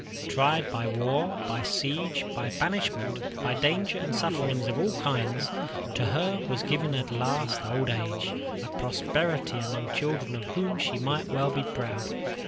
Tried by war, by siege, by banishment, by danger and sufferings of all kinds, to her was given at last an old age of prosperity among children of whom she might well be proud.